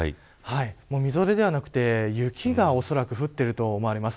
みぞれではなくて雪がおそらく降っていると思われます。